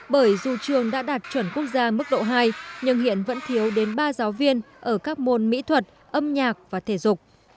bởi dù trường đã đạt chuẩn quốc gia mức độ hai nhưng hiện vẫn thiếu đến ba giáo viên ở các môn mỹ thuật âm nhạc và thể dục